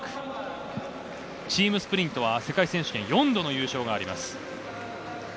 チームスプリントは世界選手権４度の優勝があります。